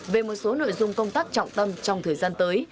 về một số nội dung công tác trọng tâm trong thời gian tới